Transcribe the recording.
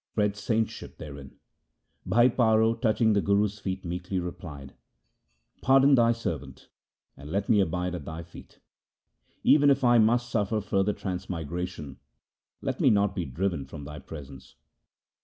Spread saintship therein.' Bhai Paro, touching the Guru's feet, meekly replied, ' Pardon thy servant, and let me abide at thy feet. Even if I must suffer further transmigration, let me not be driven from thy presence.